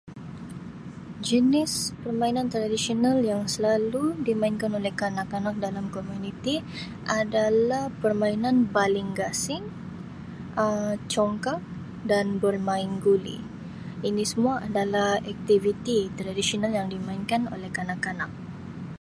Jenis permainan tradisional yang selalu dimainkan oleh kanak-kanak dalam komuniti adalah permainan baling gasing, [Um]congkak dan bermain guli. Ini semua adalah aktiviti tradisional yang dimainkan oleh kanak-kanak.